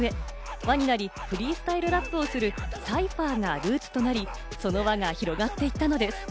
輪になり、フリースタイルラップをするサイファーがルーツとなり、その輪が広がっていったのです。